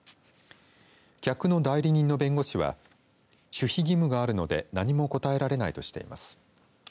客の代理人の弁護士は守秘義務があるので何も答えられないとしています。